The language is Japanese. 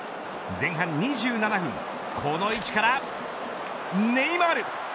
前半２７分この位置からネイマール。